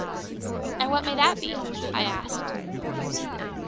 "And what may that be?" If asked.